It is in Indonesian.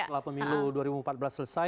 setelah pemilu dua ribu empat belas selesai